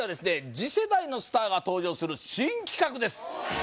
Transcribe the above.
次世代のスターが登場する新企画です